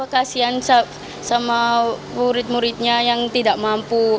kasian sama murid muridnya yang tidak mampu